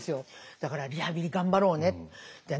だからリハビリ頑張ろうねって。